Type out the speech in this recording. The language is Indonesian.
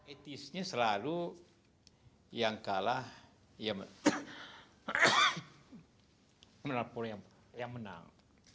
etisnya selalu yang kalah yang menang